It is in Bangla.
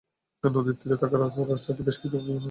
নদীর তীরে থাকা পাকা রাস্তাটির বেশ কিছু অংশও নদীতে চলে গেছে।